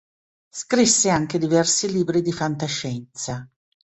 Scrisse anche diversi libri di fantascienza.